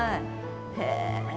へえ。